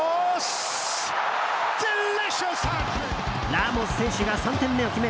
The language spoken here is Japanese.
ラモス選手が３点目を決め